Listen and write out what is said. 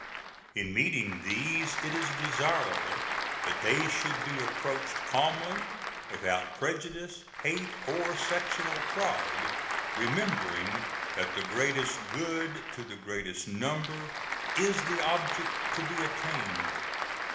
In meeting these it is desirable that they should be approached calmly, without prejudice, hate, or sectional pride, remembering that the greatest good to the greatest number is the object to be attained.